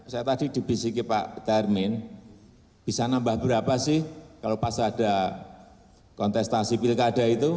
saya tadi dibisiki pak termin bisa nambah berapa sih kalau pas ada kontestasi pilkada itu